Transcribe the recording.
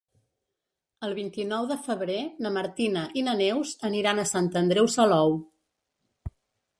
El vint-i-nou de febrer na Martina i na Neus aniran a Sant Andreu Salou.